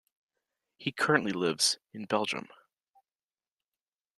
He currently lives in Belgium.